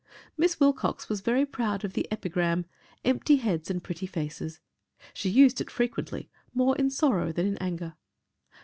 Miss Wilcox was very proud of the epigram, "empty heads and pretty faces." She used it frequently, more in sorrow than in anger.